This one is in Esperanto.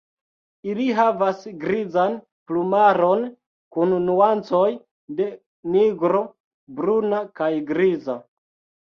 Ili havas grizan plumaron kun nuancoj de nigro, bruna kaj griza.